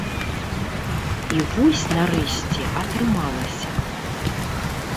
І вось, нарэшце, атрымалася.